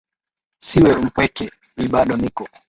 Siwe mpweke mi bado niko.